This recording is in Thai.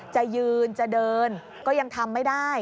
จะยืนจะเดินก็ยังทำไม่ได้